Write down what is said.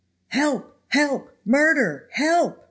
"HELP! help! murder! help!